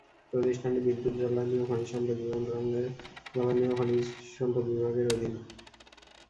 প্রতিষ্ঠানটি বিদ্যুৎ জ্বালানি ও খনিজ সম্পদ মন্ত্রণালয়ের জ্বালানি ও খনিজ সম্পদ বিভাগের অধীন।